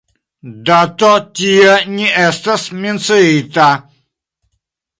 Dato tie ne estas menciita.